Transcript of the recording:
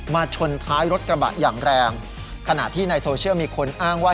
ชนท้ายรถกระบะอย่างแรงขณะที่ในโซเชียลมีคนอ้างว่า